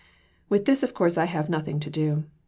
With this of course I have nothing to do.